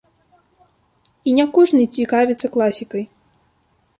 І не кожны цікавіцца класікай.